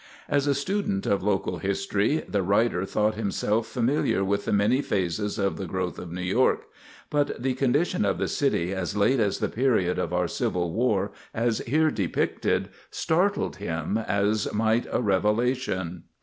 _ _As a student of local history, the writer thought himself familiar with the many phases of the growth of New York; but the condition of the City as late as the period of our Civil War, as here depicted, startled him as might a revelation.